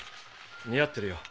似合ってるよ。